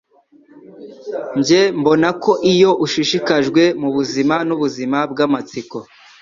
Njye mbona ko iyo ushishikajwe nubuzima nubuzima bwamatsiko,